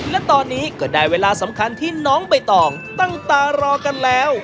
และตอนนี้ก็ได้เวลาสำคัญที่น้องใบตองตั้งตารอกันแล้ว